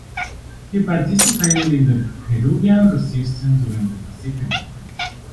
He participated in the Peruvian resistance during the Pacific War.